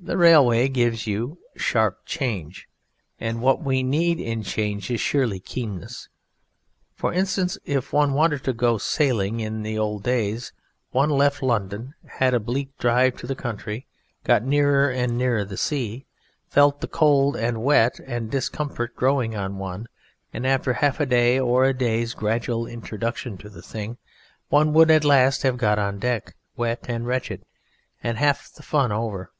The railway gives you sharp change. And what we need in change is surely keenness. For instance, if one wanted to go sailing in the old days, one left London, had a bleak drive in the country, got nearer and nearer the sea, felt the cold and wet and discomfort growing on one, and after half a day or a day's gradual introduction to the thing, one would at last have got on deck, wet and wretched, and half the fun over.